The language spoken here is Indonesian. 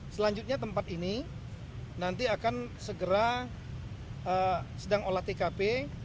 selanjutnya tempat ini nanti akan segera sedang olah tkp